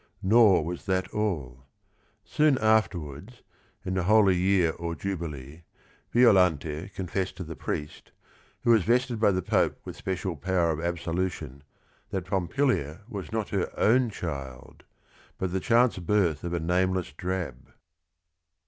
Nor was that all. Soon afterwards, in the Holy Year or Jubilee, Violante confessed to the priest, THE STORY 15 who was vested by the Pope with special power of absolution, that Pompilia was not her own child but the "chance birth of a nameless drab."